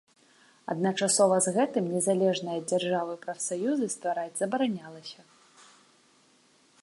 Адначасова з гэтым, незалежныя ад дзяржавы прафсаюзы ствараць забаранялася.